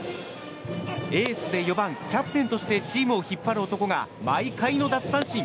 エースで４番、キャプテンとしてチームを引っ張る男が毎回の奪三振。